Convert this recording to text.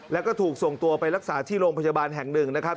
แล้วก็ถูกส่งตัวไปรักษาที่โรงพยาบาลแห่งหนึ่งนะครับ